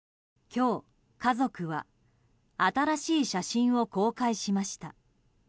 今日、家族は新しい写真を公開しました。